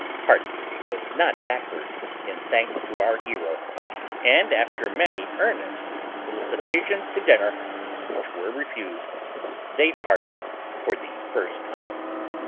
Heartfree was not backward in thanks to our hero, and, after many earnest solicitations to dinner, which were refused, they parted for the first time.